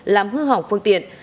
làm hư hỏng phương tiện